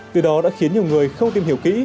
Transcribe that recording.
từ đó đã khiến nhiều người không tìm hiểu kỹ